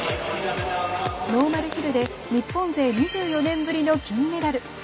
ノーマルヒルで日本勢２４年ぶりの金メダル。